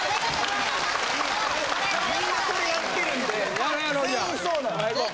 みんなそれやってるんで全員そうなんで。